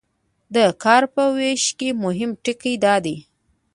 د کار په ویش کې مهم ټکي دا دي.